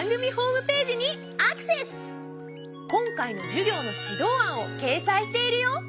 今回の授業の指導案をけいさいしているよ！